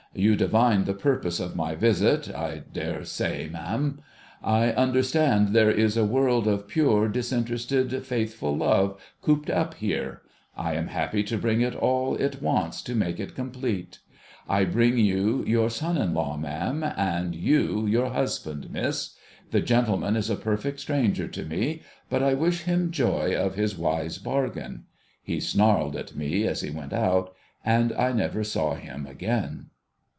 ' You divine the purpose of my visit, I dare say, ma'am. I understand there is a world of pure, disinterested, faithful love cooped up here. I am happy to bring it all it wants, to make it comjjlete. I bring you your son in law, ma'am — and you, your husband, miss. The gentleman is a perfect stranger to me, but I wish him joy of his wise bargain.' He snarled at mc as he went out, and I never saw him again.